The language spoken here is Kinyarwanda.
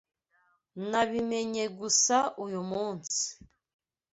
Nabimenye gusa uyu munsi.